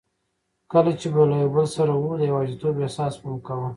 کله چي به یو له بل سره وو، د یوازیتوب احساس به مو کاوه.